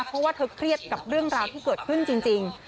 เพราะว่าเธอเครียดกับเรื่องราวที่เกิดขึ้นจริง